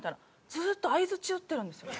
ずっと相づち打ってるんですよ。